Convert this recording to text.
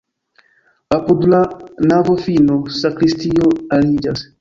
Apud la navofino sakristio aliĝas.